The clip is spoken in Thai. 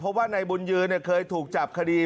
เพราะว่านายบุญยืนเคยถูกจับคดี